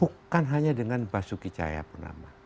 bukan hanya dengan basuki cahaya purnama